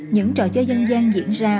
những trò chơi dân gian diễn ra